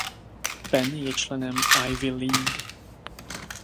Penn je členem Ivy League.